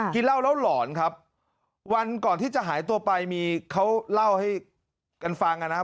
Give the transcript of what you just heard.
กินเหล้าแล้วหลอนครับวันก่อนที่จะหายตัวไปมีเขาเล่าให้กันฟังนะครับ